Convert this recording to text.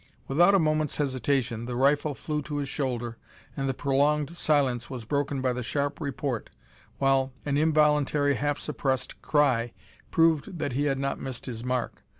Without a moment's hesitation the rifle flew to his shoulder, and the prolonged silence was broken by the sharp report, while an involuntary half suppressed cry proved that he had not missed his mark.